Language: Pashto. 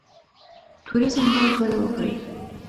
توریزم باید وده وکړي